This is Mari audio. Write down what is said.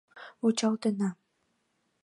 — Вучалтена.